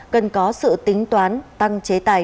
cần có sự tính toán tăng chế tài